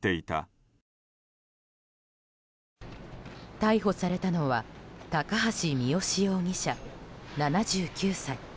逮捕されたのは高橋三好容疑者、７９歳。